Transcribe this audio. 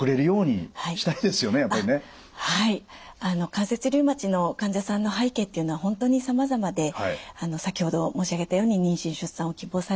関節リウマチの患者さんの背景っていうのは本当にさまざまで先ほど申し上げたように妊娠・出産を希望される方